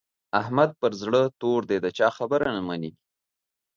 احمد پر زړه تور دی؛ د چا خبره نه مني.